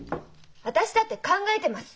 私だって考えてます！